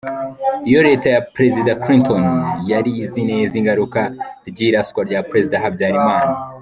Iyo Leta ya Prezida Clinton yari izi neza ingaruka ry’iraswa rya Prezida Habyarimana.